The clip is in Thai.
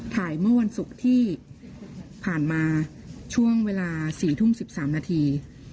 เมื่อวันศุกร์ที่ผ่านมาช่วงเวลา๔ทุ่ม๑๓นาที